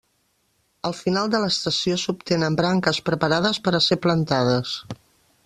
Al final de l'estació s'obtenen branques preparades per a ser plantades.